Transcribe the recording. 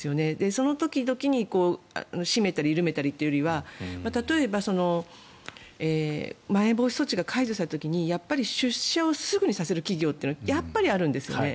その時々に締めたり緩めたりというよりは例えば、まん延防止措置が解除された時に出社をすぐにさせる企業というのはやっぱりあるんですよね。